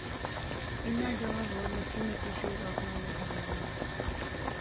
اپنیاں جاغا ہور مچی مچی تے شعر آخنا لیخنا لغا